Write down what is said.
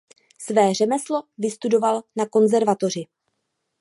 Své řemeslo vystudoval na konzervatoři.